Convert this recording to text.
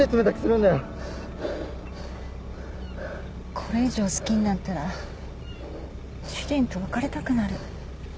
これ以上好きになったら主人と別れたくなる。